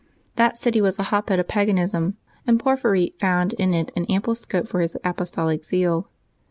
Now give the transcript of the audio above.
That city was a hotbed of pagan ism, and Porphyry found in it an ao^iple scope for his apostolic zeal.